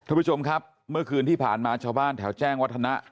คุณผู้ชมครับเมื่อคืนที่ผ่านมาชาวบ้านแถวแจ้งวัฒนะ